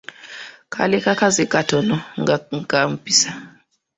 kaali kakazi katono, nga ka mpisa.